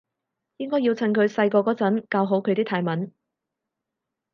應該要趁佢細個嗰陣教好佢啲泰文